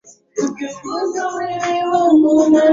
mwandishi wetu tony singoro anaelezea zaidi